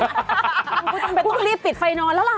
ต้องไปต้องรีบติดไฟนอนแล้วล่ะ